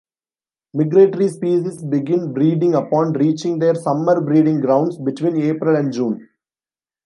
Migratory species begin breeding upon reaching their summer breeding grounds, between April and June.